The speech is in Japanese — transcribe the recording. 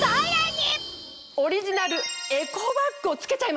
オリジナルエコバッグを付けちゃいました。